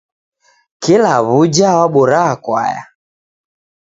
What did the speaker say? Kila w'uja wabora kwaya.